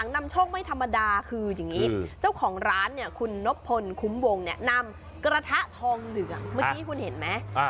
นำกระทะทองเหลืองเมื่อกี้คุณเห็นไหม